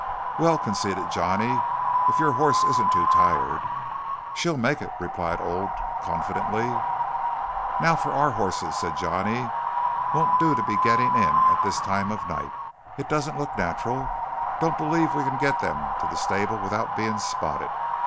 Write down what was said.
"Well," conceded Johnny, "if your horse isn't too tired." "She'll make it," replied Old confidently. "Now for our horses," said Johnny. "Won't do to be getting in at this time of night. It doesn't look natural. Don't believe we can get them to the stable without being spotted.